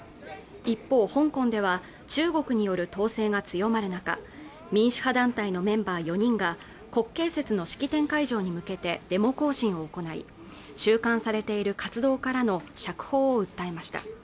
一方香港では中国による統制が強まる中民主派団体のメンバー４人が国慶節の式典会場に向けてデモ行進を行い収監されている活動家らの釈放を訴えました